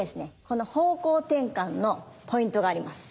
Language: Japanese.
この方向転換のポイントがあります。